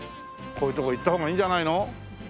こういう所行った方がいいんじゃないの？